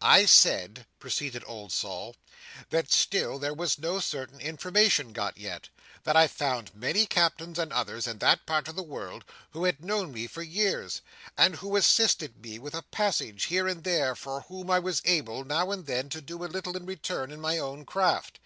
"—I said," proceeded old Sol, "that still there was no certain information got yet. That I found many captains and others, in that part of the world, who had known me for years, and who assisted me with a passage here and there, and for whom I was able, now and then, to do a little in return, in my own craft.